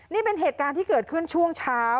นี่เป็นเหตุการณ์ที่เกิดขึ้นช่วงเช้า